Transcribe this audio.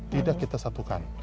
tidak kita satukan